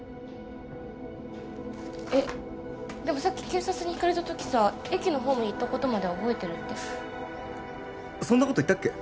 えッでもさっき警察に聞かれた時さ駅のホームに行ったことまでは覚えてるってそんなこと言ったっけ？